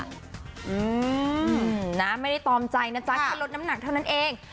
อืมนะไม่ได้ตอมใจนะจ๊ะแค่ลดน้ำหนักเท่านั้นเอง